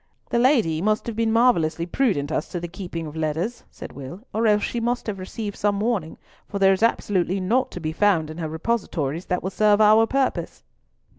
"The Lady must have been marvellously prudent as to the keeping of letters," said Will, "or else she must have received some warning; for there is absolutely naught to be found in her repositories that will serve our purpose."